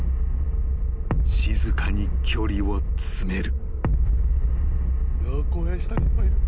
［静かに距離を詰める］